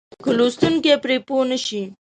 که لوستونکی پرې پوه نه شي.